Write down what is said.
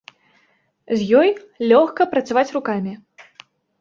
З ёй лёгка працаваць рукамі.